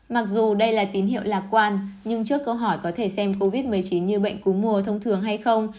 mặc dù đây là tín hiệu lạc quan nhưng trước câu hỏi có thể xem covid một mươi chín như bệnh cúm mùa thông thường hay không